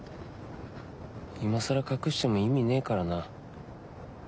今更隠しても意味ねぇからな。